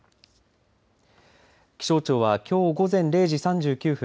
気象庁はきょう午前０時３９分